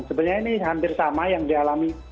sebenarnya ini hampir sama yang dialami